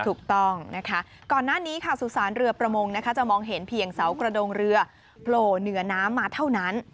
ถูกต้องนะคะก่อนหน้านี้ค่ะสุสานเรือประมงนะคะจะมองเห็นเพียงเสากระดงเรือโผล่เหนือน้ำมาเท่านั้น